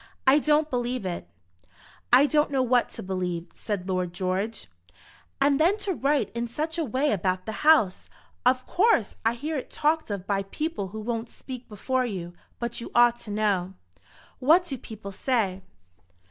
I don't believe it." "I don't know what to believe," said Lord George. "And then to write in such a way about the house! Of course I hear it talked of by people who won't speak before you; but you ought to know." "What do people say?"